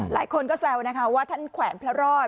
หลายคนก็แซวนะคะว่าท่านแขวนพระรอด